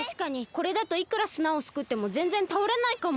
これだといくらすなをすくってもぜんぜんたおれないかも。